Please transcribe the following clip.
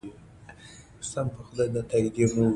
سیاسي اختلاف دښمني نه بلکې د نظر تنوع ښيي